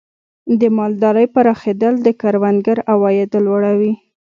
د مالدارۍ پراخېدل د کروندګر عواید لوړوي.